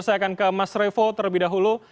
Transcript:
saya akan ke mas revo terlebih dahulu